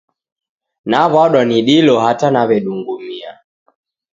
Naw'adwa ni dilo hata naw'edungumia